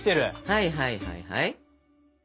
はいはいはいはい。